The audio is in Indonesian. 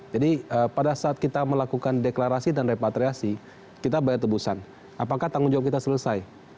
jadi pada saat kita melakukan deklarasi dan repatriasi kita bayar tebusan apakah tanggung jawab kita selesai